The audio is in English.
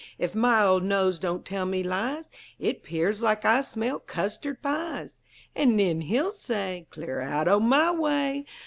Ef my old nose don't tell me lies, It 'pears like I smell custard pies!" An' nen he'll say, "'Clear out o' my way!